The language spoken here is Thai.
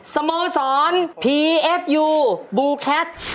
สโมสรพีเอฟยูบูแคท